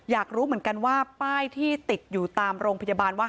อยากรู้เหมือนกันว่าป้ายที่ติดอยู่ตามโรงพยาบาลว่า